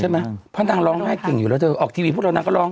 เพราะนางร้องไห้เก่งอยู่แล้วเธอออกทีวีพวกเรานางก็ร้อง